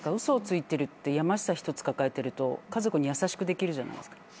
嘘をついてるってやましさ一つ抱えてると家族に優しくできるじゃないですか。